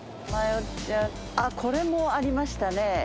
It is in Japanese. あっこれもありましたね。